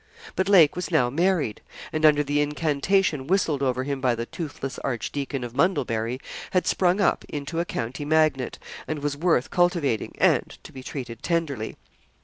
But Lake was now married, and under the incantation whistled over him by the toothless Archdeacon of Mundlebury, had sprung up into a county magnate, and was worth cultivating, and to be treated tenderly.